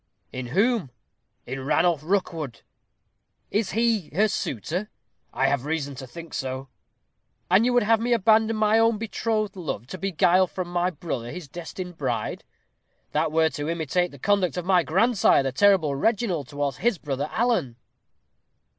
"In whom?" "In Ranulph Rookwood." "Is he her suitor?" "I have reason to think so." "And you would have me abandon my own betrothed love, to beguile from my brother his destined bride? That were to imitate the conduct of my grandsire, the terrible Sir Reginald, towards his brother Alan."